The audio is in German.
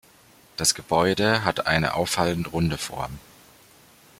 Das Gebäude hat eine auffallend runde Form.